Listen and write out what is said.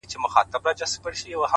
• په نامه د قاتلانو زړه ښاد نه كړي ,